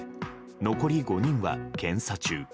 残り５人は検査中。